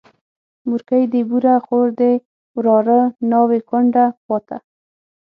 مورکۍ دي بوره، خور دي وراره، ناوې کونډه پاته